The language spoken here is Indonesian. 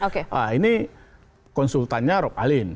nah ini konsultannya rob alin